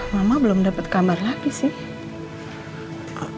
mama belum dapat kabar lagi sih